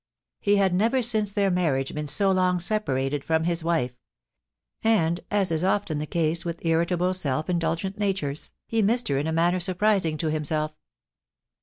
He had never since their marriage been so long separated from his wife ; and, as is often the case with irritable, self indulgent natures, he missed her in a manner surprising to himself.